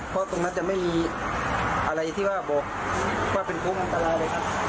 เพราะตรงนั้นจะไม่มีอะไรที่ว่าบอกว่าเป็นโค้งอันตรายเลยครับ